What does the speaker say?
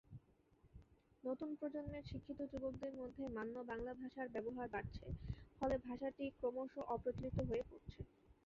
নতুন প্রজন্মের শিক্ষিত যুবকদের মধ্যে মান্য বাংলা ভাষার ব্যবহার বাড়ছে, ফলে ভাষাটি ক্রমশ অপ্রচলিত হয়ে পড়ছে।